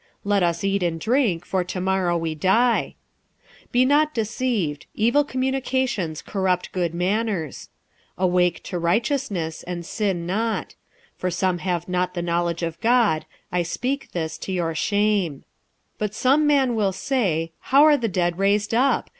let us eat and drink; for to morrow we die. 46:015:033 Be not deceived: evil communications corrupt good manners. 46:015:034 Awake to righteousness, and sin not; for some have not the knowledge of God: I speak this to your shame. 46:015:035 But some man will say, How are the dead raised up?